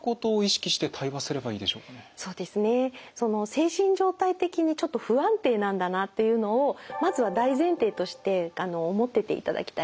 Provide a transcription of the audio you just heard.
精神状態的にちょっと不安定なんだなっていうのをまずは大前提として思ってていただきたいんですよね。